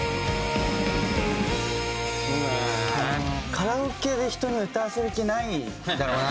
カラオケで人に歌わせる気ないんだろうな。